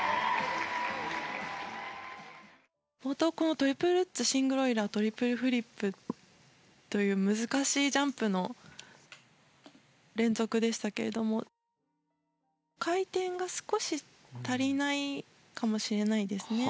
冒頭、トリプルルッツシングルオイラートリプルフリップという難しいジャンプの連続でしたが回転が少し足りないかもしれないですね。